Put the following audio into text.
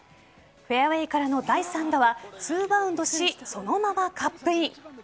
フェアウェイからの第３打は２バウンドしそのままカップイン。